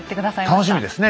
楽しみですね